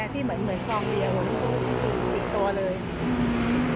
ที่เหมือนซองเดียวปิดตัวเลย